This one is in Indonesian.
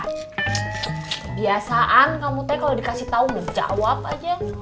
kebiasaan kamu teh kalo dikasih tau udah jawab aja